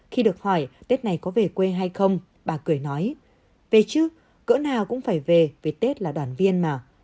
khi được hỏi tết này có về quê hay không bà cười nói về chứ cỡ nào cũng phải về tết là đoàn viên mà